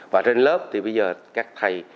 và trên lớp thì bây giờ các thầy